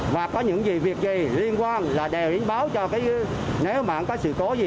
và có những việc gì liên quan là đều đánh báo cho nếu bạn có sự cố gì